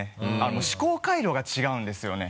思考回路が違うんですよね。